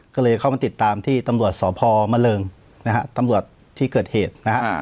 ก็เลยเข้ามาติดตามที่ตำรวจสพมะเริงนะฮะตำรวจที่เกิดเหตุนะฮะ